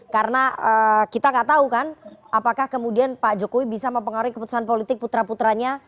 karena kita gak tahu kan apakah kemudian pak jokowi bisa mempengaruhi keputusan politik putra putranya